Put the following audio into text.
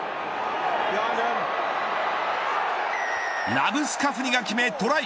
ラブスカフニが決め、トライ。